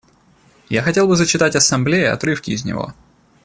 Я хотел бы зачитать Ассамблее отрывки из него.